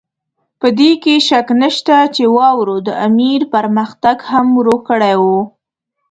په دې کې شک نشته چې واورو د امیر پرمختګ هم ورو کړی وو.